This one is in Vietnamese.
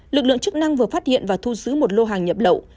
lực lượng chức năng vừa phát hiện và thu giữ một lô hàng nhập lậu